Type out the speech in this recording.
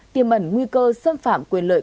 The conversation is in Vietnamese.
tiêm ẩn nguy cơ xâm phạm quyền lợi